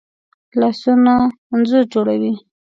لاسونه انځور جوړوي